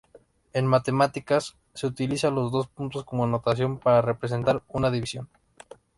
En matemáticas, se utilizan los dos puntos como notación para representar una división.